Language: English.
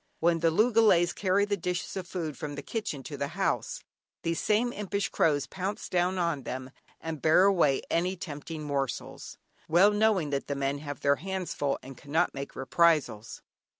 When the loogalays carry the dishes of food from the kitchen to the house, these same impish crows pounce down on them and bear away any tempting morsels, well knowing that the men have their hands full, and cannot make reprisals.